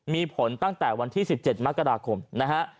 มีผลตั้งแต่วันที่๑๗มกราคมนะฮะ